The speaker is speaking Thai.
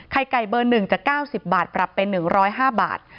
ไข่ไก่เบอร์๑จาก๙๐บาทปรับเป็น๑๐๕บาท